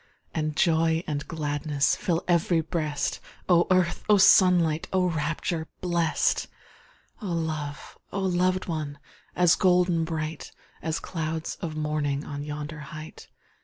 And joy and gladness Fill ev'ry breast! Oh earth! oh sunlight! Oh rapture blest! Oh love! oh loved one! As golden bright, As clouds of morning On yonder height!